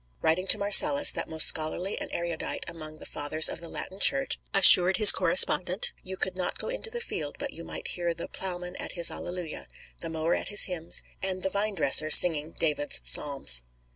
Writing to Marcellus, that most scholarly and erudite among the Fathers of the Latin Church assured his correspondent "You could not go into the field but you might hear the ploughman at his Hallelujah, the mower at his hymns, and the vine dresser singing David's Psalms."